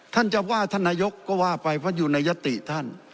ท่านจะว่าท่านนายกก็ว่าไปเพราะอยู่ในยติท่าน